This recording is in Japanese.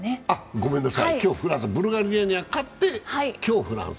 ごめんなさい、ブルガリアに勝って、今日はフランス。